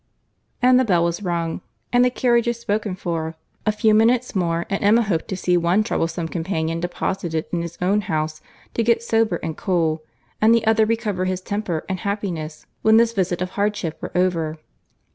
And the bell was rung, and the carriages spoken for. A few minutes more, and Emma hoped to see one troublesome companion deposited in his own house, to get sober and cool, and the other recover his temper and happiness when this visit of hardship were over.